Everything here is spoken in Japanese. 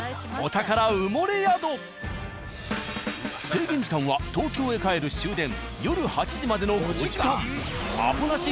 制限時間は東京へ帰る終電夜８時までの５時間。